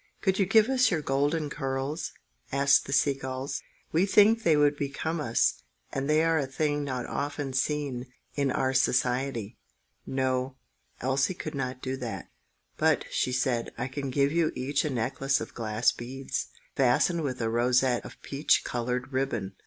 "Could you give us your golden curls?" asked the sea gulls. "We think they would become us, and they are a thing not often seen in our society." No, Elsie could not do that. "But," she said, "I can give you each a necklace of glass beads, fastened with a rosette of peach coloured ribbon.